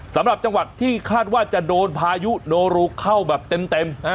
สำหรับจังหวัดที่คาดว่าจะโดนพายุโนรูเข้าแบบเต็ม